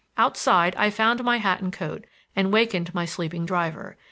Outside I found my hat and coat, and wakened my sleeping driver.